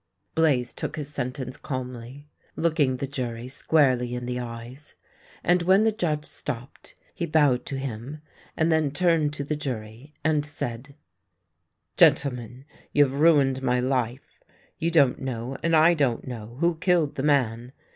Blaze took his sentence calmly, looking the jury squarely in the eyes, and when the judge stopped, he bowed to him, and then turned to the jury, and said: " Gentlemen, you have ruined my life. You don't know, and I don't know, who killed the man.